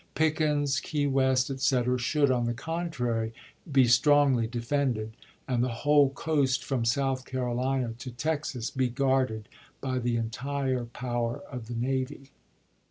Pickens, Key West, etc., should, on the contrary, be strongly defended, and the whole coast from South Carolina to Texas be guarded by the entire power of the navy.